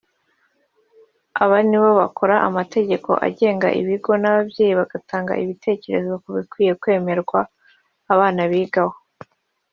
Aba nibo bakora amategeko agenga ibigo n’ababyeyi bagatanga ibitekerezo ku bikwiriye kwemererwa abana bigaho